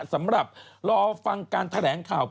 สำหรับรอฟังการแถลงข่าว